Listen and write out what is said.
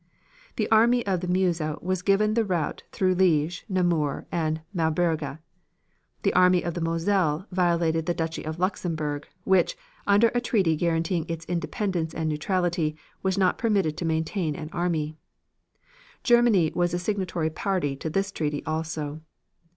The Army of the Meuse was given the route through Liege, Namur and Maubeuge. The Army of the Moselle violated the Duchy of Luxemburg, which, under a treaty guaranteeing its independence and neutrality, was not permitted to maintain an army. Germany was a signatory party to this treaty also.